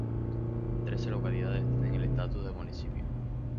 Trece localidades tienen el estatus de municipio.